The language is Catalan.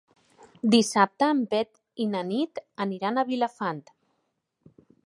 Dissabte en Pep i na Nit aniran a Vilafant.